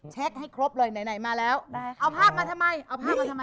ให้ครบเลยไหนมาแล้วเอาภาพมาทำไมเอาภาพมาทำไม